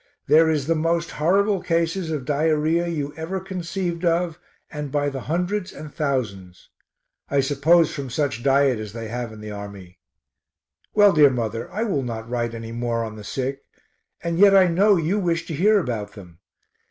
There is the most horrible cases of diarrhoea you ever conceived of and by the hundreds and thousands; I suppose from such diet as they have in the army. Well, dear mother, I will not write any more on the sick, and yet I know you wish to hear about them.